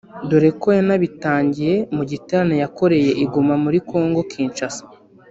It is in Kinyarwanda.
dore ko yanabitangiye mu giterane yakoreye i Goma muri Kongo – Kinshasa